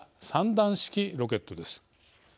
３段式ロケットです。